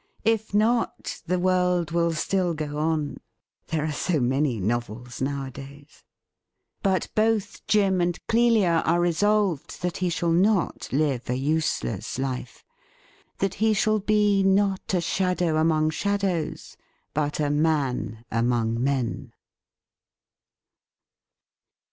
If not, the world will still go on — ^there are so many novels nowadays ! But both Jim and Clelia are resolved that he shall not live a useless life — ^that he shall be ' not a shadow among shadows, but a man among men.'